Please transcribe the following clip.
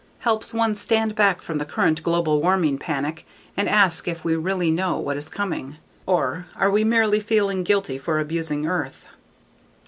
Helps one stand back from the current global warming panic and ask if we really know what is coming. Or are we merely feeling guilty for abusing Earth?